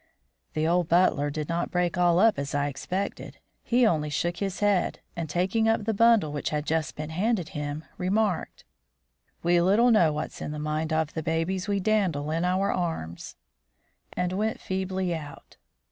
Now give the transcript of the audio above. The old butler did not break all up as I expected. He only shook his head, and, taking up the bundle which had just been handed him, remarked: "We little know what's in the mind of the babies we dandle in our arms," and went feebly out.